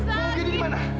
susah mau gini dimana